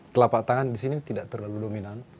tapak tangan disini tidak terlalu dominan